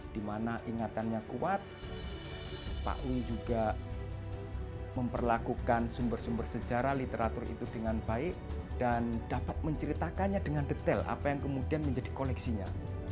dimana ingatannya kuat pak wing juga memperlakukan sumber sumber sejarah literatur itu dengan baik dan dapat menceritakannya dengan detail apa yang kemudian menjadi koleksinya